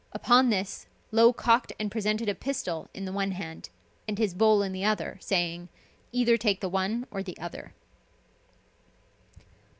Upon this Low cocked and presented a pistol in the one hand, and his bowl in the other, saying, "Either take the one or the other."